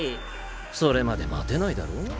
それまで待てないだろ？